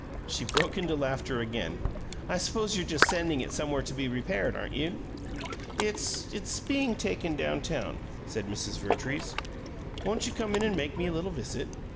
She broke into laughter again. "I suppose you're just sending it somewhere to be repaired, aren't you?" "It's it's being taken down town," said Mrs. Vertrees. "Won't you come in and make me a little visit.